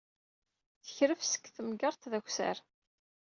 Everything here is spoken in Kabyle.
Tekref seg temgerḍt d akessar.